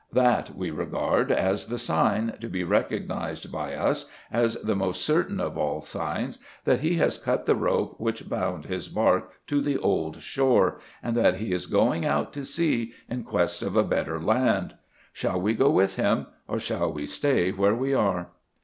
That we regard as the sign, to be recognized by us as the most certain of all signs, that he has cut the rope which bound his barque to the old shore, and that he is going out to sea in quest of a better land. Shall we go with him, or shall we stay where we are?